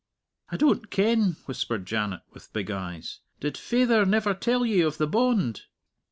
"I don't ken," whispered Janet, with big eyes. "Did faither never tell ye of the bond?"